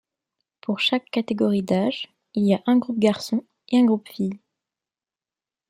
Pour chaque catégorie d'âge il y a un groupe garçons et un groupe filles.